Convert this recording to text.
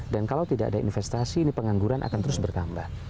dan kalau tidak ada investasi pengangguran akan terus berkambah